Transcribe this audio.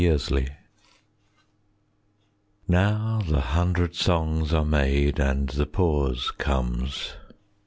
55 EPILOGUE Now the hundred songs are made, And the pause comes.